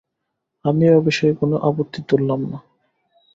আমিও এ বিষয়ে কোনো আপত্তি তুললাম না।